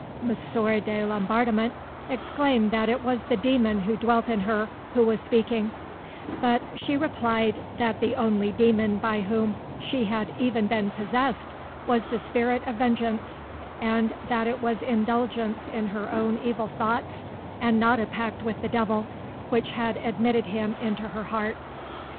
M. de Laubardemont exclaimed that it was the demon who dwelt in her who was speaking, but she replied that the only demon by whom she had even been possessed was the spirit of vengeance, and that it was indulgence in her own evil thoughts, and not a pact with the devil, which had admitted him into her heart.